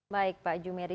baik pak jumeri